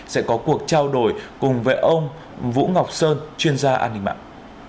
sẽ có cuộc trao đổi cùng với ông vũ ngọc sơn chuyên gia an ninh mạng